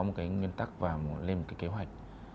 một cái nguyên tắc và lên một cái kế hoạch